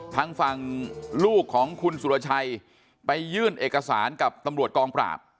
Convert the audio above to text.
ทางฝั่งลูกของคุณสุรชัยไปยื่นเอกสารกับตำรวจกองปราบ